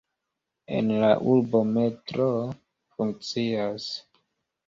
En la urbo metroo funkcias.